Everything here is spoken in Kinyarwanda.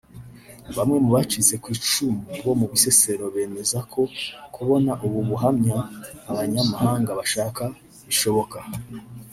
Bamwe mu bacitse ku icumu bo mu Bisesero bemeza ko kubona ubu buhamya abanyamahanga bashaka bishoboka